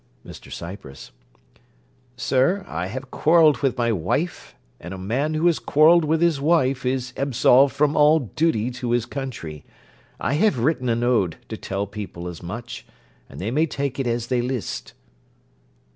MR CYPRESS Sir, I have quarrelled with my wife; and a man who has quarrelled with his wife is absolved from all duty to his country. I have written an ode to tell the people as much, and they may take it as they list.